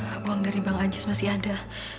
alhamdulillah uang dari bang anjis masih ada